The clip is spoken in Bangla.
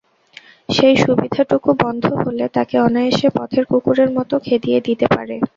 সেই সুবিধাটুকু বন্ধ হলে তাকে অনায়াসে পথের কুকুরের মতো খেদিয়ে দিতে পারে।